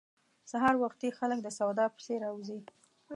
سهار وختي خلک د سودا پسې راوزي.